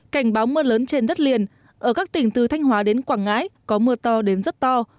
cảnh báo mưa lớn trên đất liền ở các tỉnh từ thanh hóa đến quảng ngãi có mưa to đến rất to